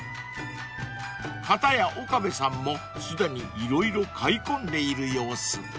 ［片や岡部さんもすでに色々買い込んでいる様子］